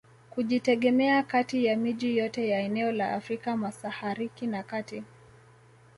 Kujitegemea kati ya miji yote ya eneo la Afrika masahariki na kati